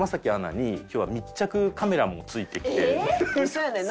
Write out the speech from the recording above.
そうやねん。